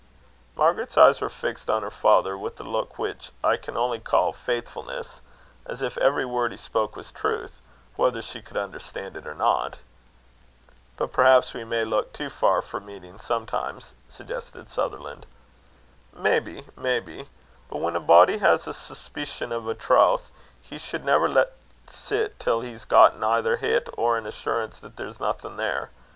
Margaret's eyes were fixed on her father with a look which I can only call faithfulness, as if every word he spoke was truth, whether she could understand it or not. "But perhaps we may look too far for meanings sometimes," suggested Sutherland. "Maybe, maybe; but when a body has a suspeecion o' a trowth, he sud never lat sit till he's gotten eyther hit, or an assurance that there's nothing there.